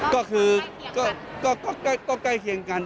ก็คือก็ใกล้เคียงกัน